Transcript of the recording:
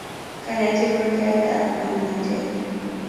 kanetik ko tait ap ngomnatet